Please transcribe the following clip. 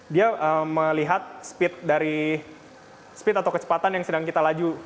dia melihat speed dari speed atau kecepatan yang sedang kita laju